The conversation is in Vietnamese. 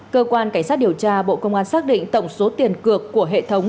cơ quan cảnh sát điều tra bộ công an xác định tổng số tiền cược của hệ thống